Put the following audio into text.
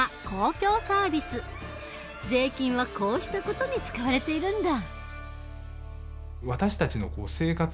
税金はこうした事に使われているんだ。